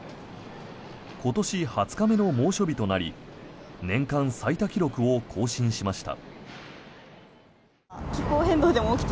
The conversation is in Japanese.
今年２０日目の猛暑日となり年間最多記録を更新しました。